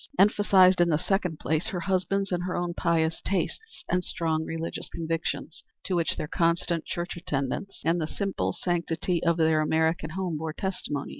Emphasized in the second place her husband's and her own pious tastes, and strong religious convictions, to which their constant church attendance and the simple sanctity of their American home bore testimony.